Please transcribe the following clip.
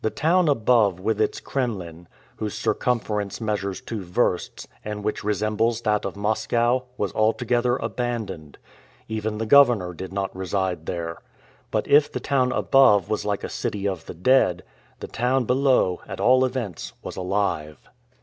The town above with its kremlin, whose circumference measures two versts, and which resembles that of Moscow, was altogether abandoned. Even the governor did not reside there. But if the town above was like a city of the dead, the town below, at all events, was alive.